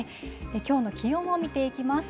きょうの気温を見ていきます。